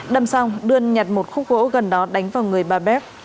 đâm xong đường nhặt một khúc gỗ gần đó đánh vào người bà bac